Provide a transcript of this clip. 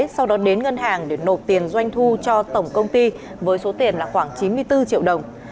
sau đó đến ngân hàng để nộp tiền doanh thu cho tổng công ty với số tiền là khoảng chín mươi bốn triệu đồng